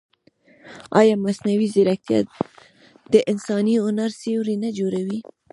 ایا مصنوعي ځیرکتیا د انساني هنر سیوری نه جوړوي؟